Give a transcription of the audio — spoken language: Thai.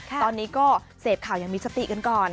ตอนนี้ก็เสพข่าวอย่างมีสติกันก่อน